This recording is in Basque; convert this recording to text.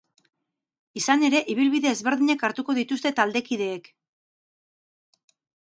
Izan ere, ibilbide ezberdinak hartuko dituzte taldekideek.